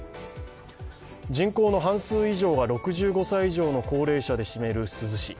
人口の半数以上が６５歳以上の高齢者で占める珠洲市。